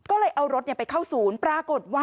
ก็เลยเอารถไปเข้าศูนย์ปรากฏว่า